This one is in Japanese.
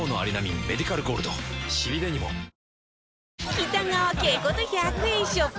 北川景子と１００円ショップ